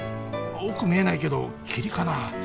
奥見えないけど霧かな？